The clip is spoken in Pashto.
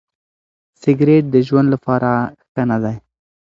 سګریټ د ژوند لپاره ښه نه دی.